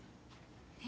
え？